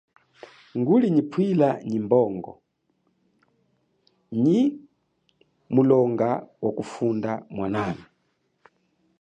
Nguli nyi pwila nyi mbongo mulonga wakufunda mwanami.